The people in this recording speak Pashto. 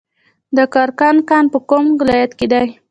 د کرکر کان په کوم ولایت کې دی؟